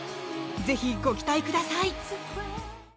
ぜひご期待ください！